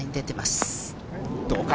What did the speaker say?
どうか。